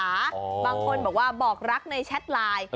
บางคนบอกว่าบอกรักในแชทไลน์